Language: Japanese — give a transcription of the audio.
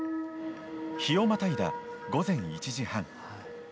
日をまたいだ、午前１時半。